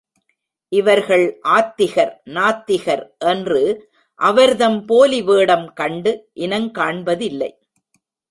இவர்கள் ஆத்திகர் நாத்திகர் என்று அவர்தம் போலி வேடம் கண்டு, இனங்காண்பதில்லை.